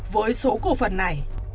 với số cổ phần này